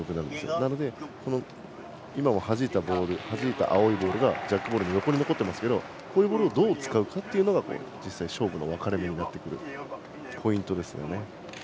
なので、今もはじいた青いボールがジャックボールの横に残っていますがこういうものをどう使うかが勝負の分かれ目になってくるポイントですよね。